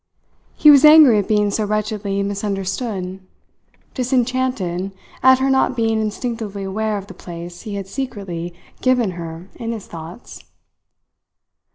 He was angry at being so wretchedly misunderstood; disenchanted at her not being instinctively aware of the place he had secretly given her in his thoughts.